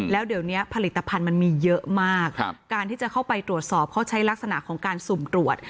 แล้วเดี๋ยวนี้ผลิตภัณฑ์มันมีเยอะมากการที่จะเข้าไปตรวจสอบเขาใช้ลักษณะของการสุ่มตรวจ